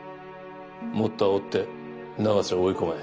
もっとあおって永瀬を追い込め。